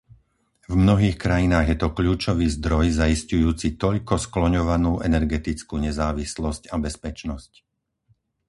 V mnohých krajinách je to kľúčový zdroj zaisťujúci toľko skloňovanú energetickú nezávislosť a bezpečnosť.